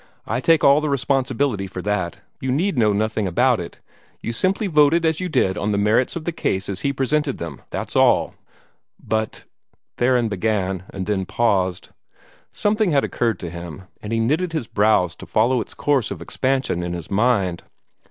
"I take all the responsibility for that. You need know nothing about it. You simply voted as you did on the merits of the case as he presented them that's all." "But " Theron began, and then paused. Something had occurred to him, and he knitted his brows to follow its course of expansion in his mind.